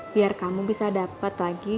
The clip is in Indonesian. biar kamu bisa dapat lagi